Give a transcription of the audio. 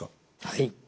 はい。